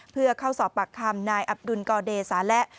เพื่อเข้าสอบปากคำนายอับดุลกอเดสาและ